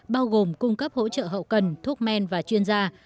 bao gồm cung cấp hỗ trợ hậu cần thuốc men và chuyên gia